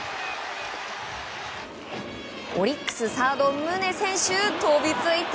オリックス、サード宗選手飛びついた！